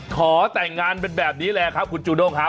ขอแต่งงานเป็นแบบนี้แหละครับคุณจูด้งครับ